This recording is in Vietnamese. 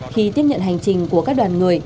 để đảm bảo an toàn cho các đoàn người